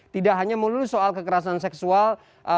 tidak hanya melulu soal kekerasan seksual